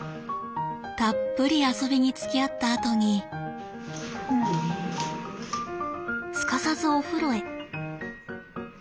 たっぷり遊びにつきあったあとにすかさずお風呂へ。